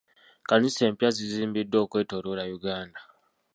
Kkanisa empya zizimbiddwa okwetooloola Uganda.